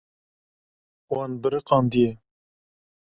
Wan biriqandiye.